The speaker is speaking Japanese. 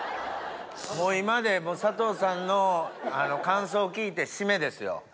もう今で佐藤さんの感想を聞いて締めですよ。